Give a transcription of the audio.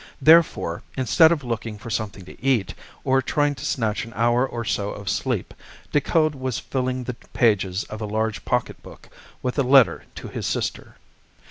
Therefore, instead of looking for something to eat, or trying to snatch an hour or so of sleep, Decoud was filling the pages of a large pocket book with a letter to his sister.